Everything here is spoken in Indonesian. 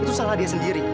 itu salah dia sendiri